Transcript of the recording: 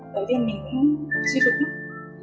đầu tiên mình cũng suy dụng lắm